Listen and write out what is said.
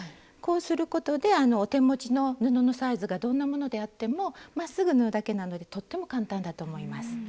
こうすることでお手持ちの布のサイズがどんなものであってもまっすぐ縫うだけなのでとっても簡単だと思います。